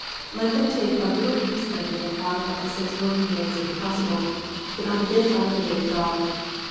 Let them take a little piece out of one of the six working days, if possible, but not a bit out of the Day of God.